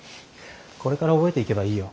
これから覚えていけばいいよ。